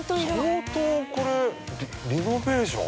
◆相当、これリノベーション？